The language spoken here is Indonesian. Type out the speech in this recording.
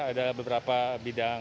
ada beberapa bidang